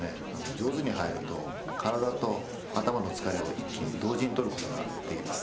上手に入ると体と頭の疲れを一気に同時にとることができます。